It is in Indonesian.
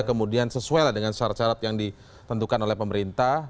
kemudian sesuai dengan syarat syarat yang ditentukan oleh pemerintah